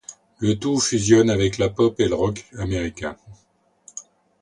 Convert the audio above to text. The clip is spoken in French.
Le tout fusionne avec la pop et le rock américain.